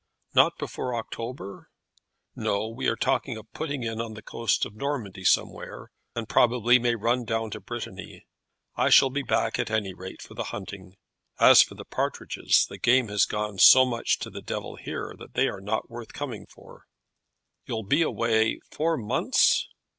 "Not before October?" "No. We are talking of putting in on the coast of Normandy somewhere; and probably may run down to Brittany. I shall be back, at any rate, for the hunting. As for the partridges, the game has gone so much to the devil here, that they are not worth coming for." "You'll be away four months!"